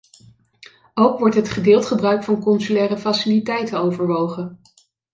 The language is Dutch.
Ook wordt het gedeeld gebruik van consulaire faciliteiten overwogen.